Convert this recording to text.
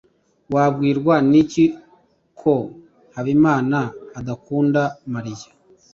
Wabwirwa n'iki ko Habimana adakunda Mariya?